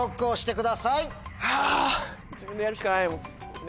自分でやるしかないですもんね。